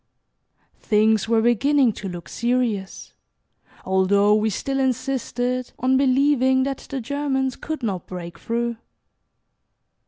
Things were beginning to look serious, although we still insisted on believing that the Germans could not break through.